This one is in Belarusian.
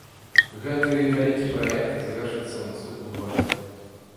Гэты вялікі праект завершыцца у наступным годзе.